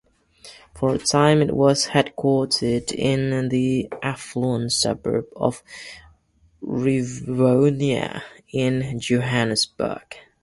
For a time it was headquartered in the affluent suburb of Rivonia, in Johannesburg.